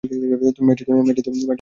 মেসজিাতীয় বাড়ি আছে কি না।